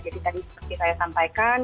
jadi tadi seperti saya sampaikan